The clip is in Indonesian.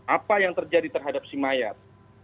apa yang terjadi terhadap si mayat